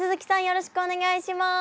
よろしくお願いします。